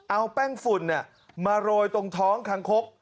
เอาแป้งฝุ่นมาโรยตรงท้องคางคก